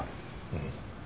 うん。